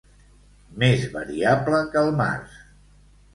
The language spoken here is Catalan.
Més variable que el març.